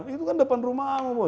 itu kan depan rumah kamu bos